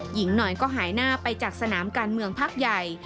หญิงหน่อยก็หายหน้าไปจากสนามการเมืองพักใหญ่